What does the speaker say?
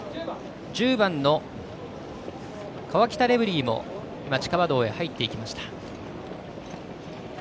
１０番のカワキタレブリーも地下馬道へと入っていきました。